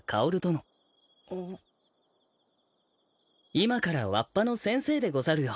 今からわっぱの先生でござるよ。